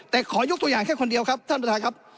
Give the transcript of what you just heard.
แต่ขอยกตัวอย่างแค่คนเดียวครับท่านประธานครับ